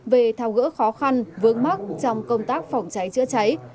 về thao gỡ khó khăn vướng mắt trong công tác phòng cháy chữa cháy